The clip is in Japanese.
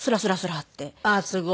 あっすごい。